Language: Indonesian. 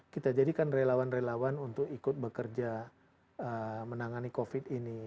kita jadikan relawan relawan untuk ikut bekerja menangani covid ini